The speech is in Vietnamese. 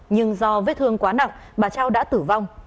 nhưng do vết thương quá nặng bà trao đã tử vong